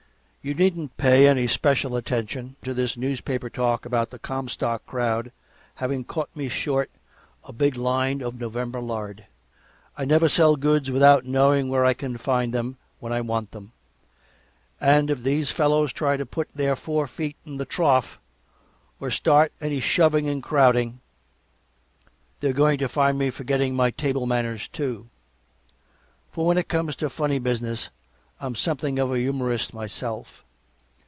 You needn't pay any special attention to this newspaper talk about the Comstock crowd having caught me short a big line of November lard. I never sell goods without knowing where I can find them when I want them, and if these fellows try to put their forefeet in the trough, or start any shoving and crowding, they're going to find me forgetting my table manners, too. For when it comes to funny business I'm something of a humorist myself.